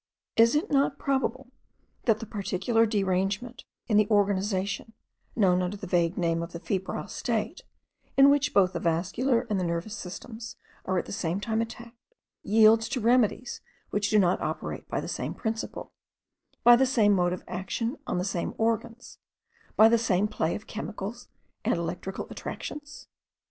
Is it not probable, that the particular derangement in the organization, known under the vague name of the febrile state, and in which both the vascular and the nervous systems are at the same time attacked, yields to remedies which do not operate by the same principle, by the same mode of action on the same organs, by the same play of chemical and electrical attractions?